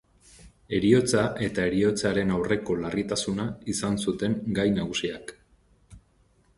Heriotza eta heriotzaren aurreko larritasuna izan zituen gai nagusiak.